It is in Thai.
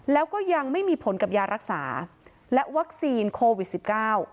แล้วก็ยังไม่มีผลกับยารักษาและวัคซีนโควิดสิบเก้า